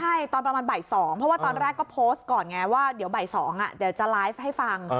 ใช่ตอนประมาณบ่าย๒เพราะว่าตอนแรกก็โพสต์ก่อนไงว่าเดี๋ยวบ่าย๒เดี๋ยวจะไลฟ์ให้ฟัง